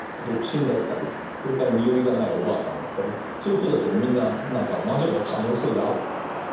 独身だったりそれから身寄りがないおばあさんだったりそういう人たちをみんな何か魔女の可能性があると。